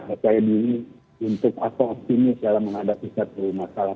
perkainan ini untuk atau optimis dalam menghadapi satu masalah